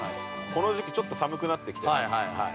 ◆この時期ちょっと寒くなってきてるから。